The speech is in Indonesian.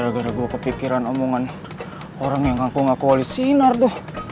gara dua gue kepikiran omongan orang yang kaku mabok